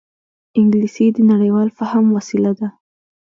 انګلیسي د نړيوال فهم وسیله ده